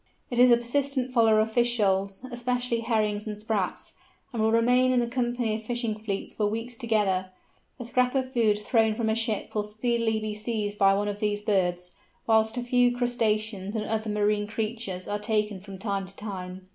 It is a persistent follower of fish shoals, especially herrings and sprats, and will remain in the company of fishing fleets for weeks together. A scrap of food thrown from a ship will speedily be seized by one of these birds; whilst a few crustaceans and other marine creatures are taken from time to time.